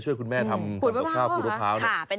ช่วยคุณแม่ทำกระดาษภาพขูดปะพร้าว